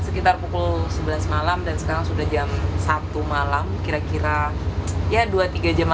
sekitar pukul sebelas malam dan sekarang sudah jam satu malam kira kira ya dua tiga jam